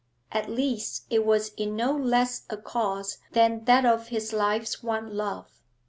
At least it was in no less a cause than that of his life's one love.